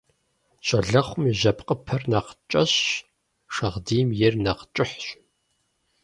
Щолэхъум и жьэпкъыпэр нэхъ кӀэщӀщ, шагъдийм ейр нэхъ кӀыхьщ.